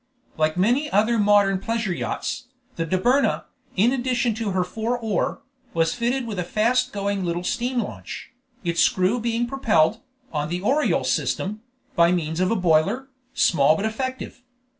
Like many other modern pleasure yachts, the Dobryna, in addition to her four oar, was fitted with a fast going little steam launch, its screw being propelled, on the Oriolle system, by means of a boiler, small but very effective.